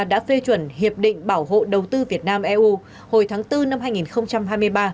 đã phê chuẩn hiệp định bảo hộ đầu tư việt nam eu hồi tháng bốn năm hai nghìn hai mươi ba